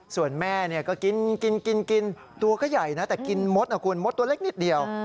ส่วนแม่ก็กินกินตัวก็ใหญ่นะแต่กินมดนะคุณมดตัวเล็กนิดเดียว